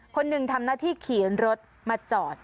คนหนึ่งทำหน้าที่ขี่รถมาจอด